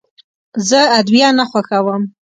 زه ادویه نه خوښوم.